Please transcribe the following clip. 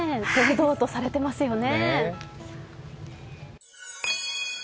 堂々とされてますよね。